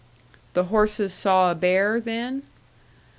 "The horses saw a bear, then?"